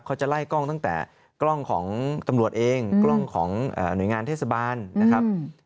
เขาจะไล่กล้องตั้งแต่กล้องของตำรวจเองกล้องของหน่วยงานเทศบาลนะครับ